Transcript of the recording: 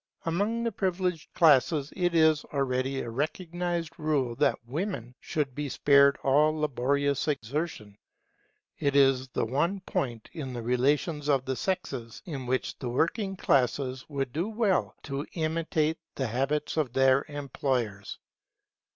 Among the privileged classes it is already a recognized rule that women should be spared all laborious exertion. It is the one point in the relations of the sexes in which the working classes would do well to imitate the habits of their employers.